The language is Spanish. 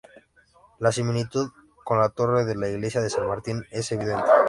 La similitud con la torre de la iglesia de San Martín es evidente.